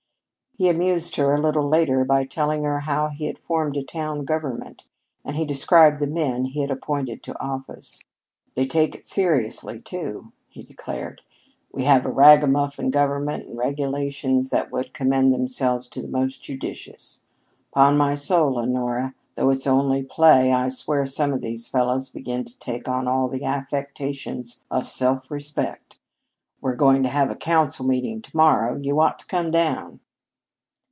He amused her a little later by telling her how he had formed a town government and he described the men he had appointed to office. "They take it seriously, too," he declared. "We have a ragamuffin government and regulations that would commend themselves to the most judicious. 'Pon my soul, Honora, though it's only play, I swear some of these fellows begin to take on little affectations of self respect. We're going to have a council meeting to morrow. You ought to come down."